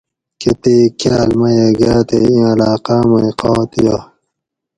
کۤتیک کاۤل میۤہ گاۤ تے اِیں علاۤقاۤ مئ قات یائ